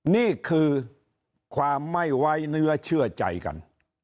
นี่คือความไม่ไว้เนื้อเชื่อใจกัน